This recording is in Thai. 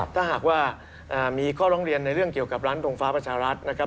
ถ้าหากว่ามีข้อร้องเรียนในเรื่องเกี่ยวกับร้านดงฟ้าประชารัฐนะครับ